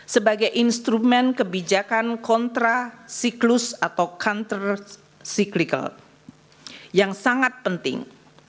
sebagai instrumen kebijakan kontrasiklus atau counter cyclical yang sangat penting